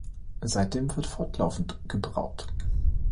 Seitdem wird fortlaufend gebraut.